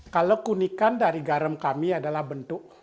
kalau kunikan dari garam kami adalah bentuk